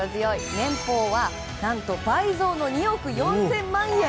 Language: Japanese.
年俸は倍増の２億４０００万円。